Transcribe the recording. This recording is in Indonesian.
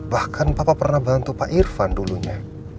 bahkan papa pernah bantu pak irfan dulunya